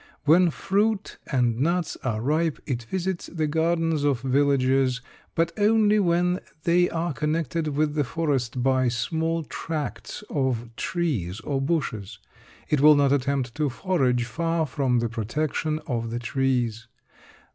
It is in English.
When fruit and nuts are ripe it visits the gardens of villages, but only when they are connected with the forest by small tracts of trees or bushes. It will not attempt to forage far from the protection of the trees.